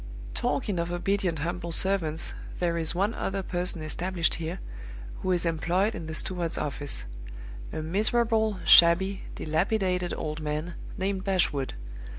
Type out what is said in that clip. "Talking of obedient humble servants, there is one other person established here, who is employed in the steward's office a miserable, shabby, dilapidated old man, named Bashwood.